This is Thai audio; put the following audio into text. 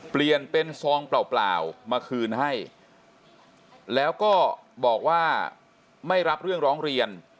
เปลี่ยนเป็นซองเปล่ามาคืนให้แล้วก็บอกว่าไม่รับเรื่องร้องเรียน